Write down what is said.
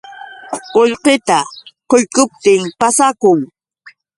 Qullqita quykuptin pasakun.